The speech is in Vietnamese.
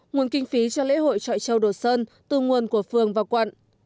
nguồn kinh phí cho lễ hội trọi châu đồ sơn từ nguồn của phường và quận